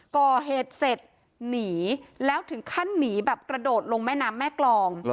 ก่อเหตุเสร็จหนีแล้วถึงขั้นหนีแบบกระโดดลงแม่น้ำแม่กรอง